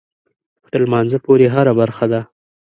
تر لمانځه پورې هره برخه ده.